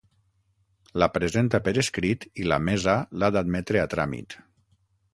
La presenta per escrit i la Mesa l'ha d'admetre a tràmit.